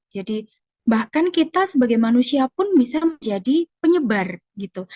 jadi bahkan kita sebagai manusia pun bisa menjadi penyebar gitu